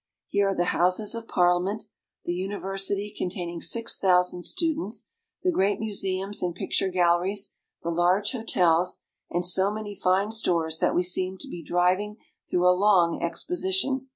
Here are the Houses of Parliament, the university containing six thousand stu dents, the great museums and picture galleries, the large hotels, and so many fine stores that we seem to be driving through a long exposition.